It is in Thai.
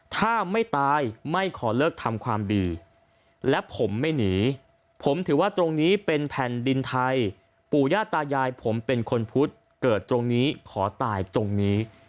ถ้าไม่ตายไม่ขอเลิกทำความดีและผมไม่หนีผมถือว่าตรงนี้เป็นแผ่นดินไทยปู่ย่าตายายผมเป็นคนพุทธเกิดตรงนี้ขอตายตรงนี้